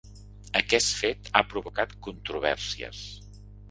Aquest fet ha provocat controvèrsies.